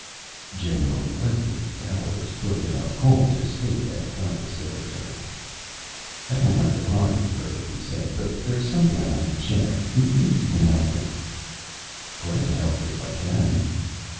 General Leslie Bowers put in a call to State and got the secretary. "I don't like to bother you, Herb," he said, "but there's something I want to check. Maybe you can help me." "Glad to help you if I can."